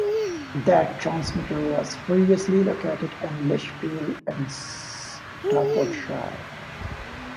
That transmitter was previously located at Lichfield in Staffordshire.